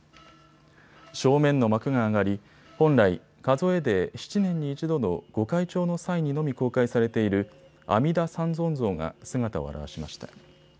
正面の幕が上がり、本来、数えで７年に１度の御開帳の際にのみ公開されている阿弥陀三尊像が姿を現しました。